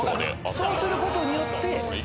そうすることによって。